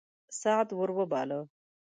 سعد ور وباله.